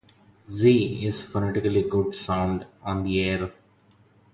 'Z' is a phonetically good sound on the air.